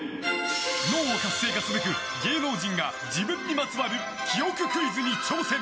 脳を活性化すべく、芸能人が自分にまつわる記憶クイズに挑戦。